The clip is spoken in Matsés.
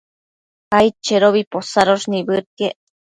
aidchedobi posadosh nibëdquiec